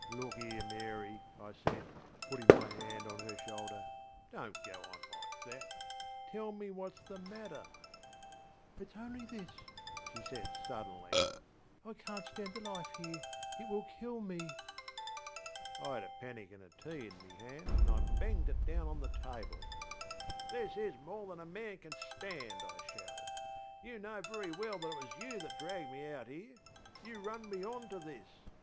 ŌĆśLook here, Mary, ŌĆÖ I said, putting my hand on her shoulder, ŌĆśdonŌĆÖt go on like that; tell me whatŌĆÖs the matter? ŌĆÖ ŌĆśItŌĆÖs only this, ŌĆÖ she said suddenly, ŌĆśI canŌĆÖt stand this life here; it will kill me! ŌĆÖ I had a pannikin of tea in my hand, and I banged it down on the table. ŌĆśThis is more than a man can stand! ŌĆÖ I shouted. ŌĆśYou know very well that it was you that dragged me out here. You run me on to this!